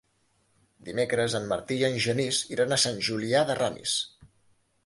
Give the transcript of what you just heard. Dimecres en Martí i en Genís iran a Sant Julià de Ramis.